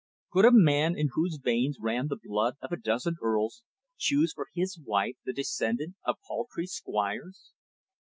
Could a man, in whose veins ran the blood of a dozen earls, choose for his wife the descendant of paltry squires?